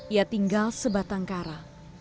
ia tinggal sebatang kara